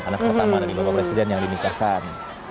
anak pertama dari bapak presiden yang dinikahkan